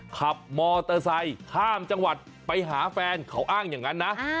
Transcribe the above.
ขับมอเตอร์ไซค์ข้ามจังหวัดไปหาแฟนเขาอ้างอย่างนั้นนะ